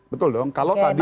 betul dong kalau tadi